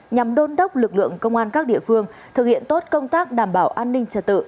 nhằm đôn đốc lực lượng công an các địa phương thực hiện tốt công tác đảm bảo an ninh trật tự